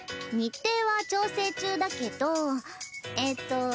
日程は調整中だけどえっと